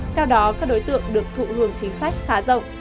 theo đó các đối tượng được thụ hưởng chính sách khá rộng